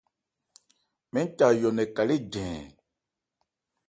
Mɛ́n ca yɔ nkɛ kalé ɉɛɛn.